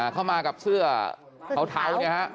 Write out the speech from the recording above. เข้ามากับเสื้อเทาเนี่ยฮะ